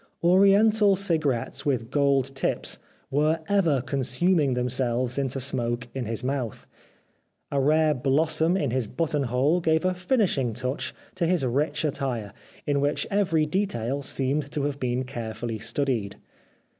Oriental cigarettes with gold tips were ever consuming themselves into smoke in his mouth. A rare blossom in his button hole gave a finishing touch to his rich attire in which every detail seemed to have been carefully studied.